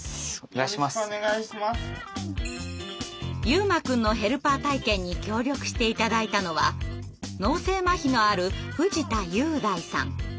悠真くんのヘルパー体験に協力して頂いたのは脳性まひのある藤田裕大さん。